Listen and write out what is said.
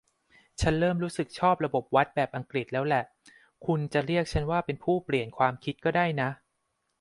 ฉันเริ่มรู้สึกชอบระบบวัดแบบอังกฤษแล้วแหละ คุณจะเรียกว่าฉันเป็นผู้เปลี่ยนความคิดก็ได้นะ